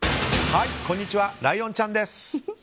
こんにちはライオンちゃんです。